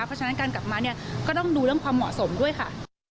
เพราะฉะนั้นการกลับมาเนี่ยก็ต้องดูเรื่องความเหมาะสมด้วยค่ะ